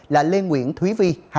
là lê nguyễn thúy vi